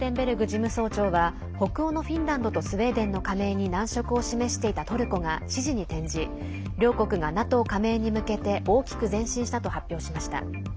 事務総長は北欧のフィンランドとスウェーデンの加盟に難色を示していたトルコが支持に転じ両国がＮＡＴＯ加盟に向けて大きく前進したと発表しました。